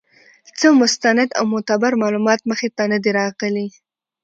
څۀ مستند او معتبر معلومات مخې ته نۀ دي راغلي